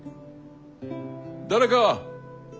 誰か！